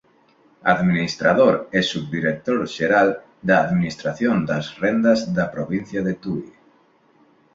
Administrador e Subdirector Xeral da Administración das Rendas da Provincia de Tui.